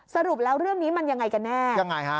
สรุปแล้วเรื่องนี้มันยังไงกันแน่ยังไงฮะ